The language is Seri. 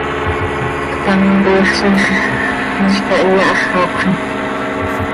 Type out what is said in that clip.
Ctam, tiix ziix hizcah iyaháxapxim.